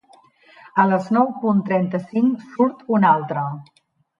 A les nou punt trenta-cinc surt un altre.